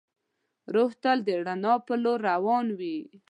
روح تل د رڼا په لور روان وي.